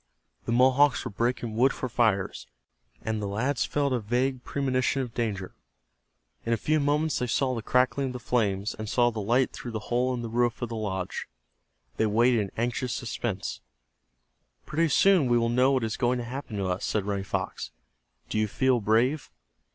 The Mohawks were breaking wood for fires, and the lads felt a vague premonition of danger. In a few moments they heard the crackling of the flames, and saw the light through the hole in the roof of the lodge. They waited in anxious suspense. "Pretty soon we will know what is going to happen to us," said Running Fox. "Do you feel brave?"